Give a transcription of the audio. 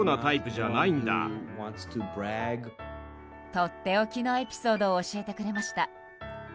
とっておきのエピソードを教えてくれました。